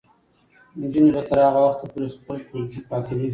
نجونې به تر هغه وخته پورې خپل ټولګي پاکوي.